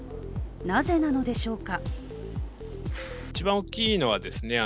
なぜなのでしょうか？